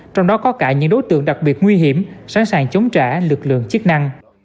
trong đó có cả những đối tượng đặc biệt nguy hiểm sẵn sàng chống trả lực lượng chức năng